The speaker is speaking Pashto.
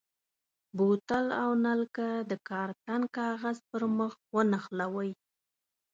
بوتل او نلکه د کارتن کاغذ پر مخ ونښلوئ.